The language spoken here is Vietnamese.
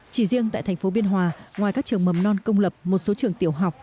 chỉ riêng tại thành phố biên hòa ngoài các trường mầm non công lập một số trường tiểu học